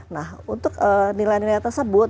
nah untuk nilai nilai tersebut